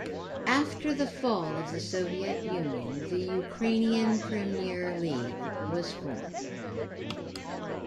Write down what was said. After the fall of the Soviet Union, the Ukrainian Premier League was formed.